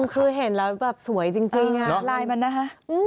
คือเห็นแล้วสวยจริงลายมันนะฮะ